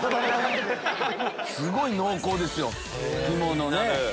すごい濃厚ですよ肝のね。